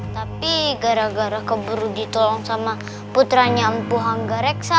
tapi gara gara keburu ditolong sama putranya empu hanggareksa